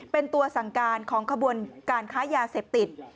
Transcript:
เป็นตัวสังการของการขายยาเสพติด